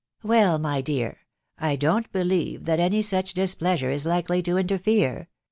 (C Well, my dear, .... I don't believe that any seek dis pleasure is likely to interfere.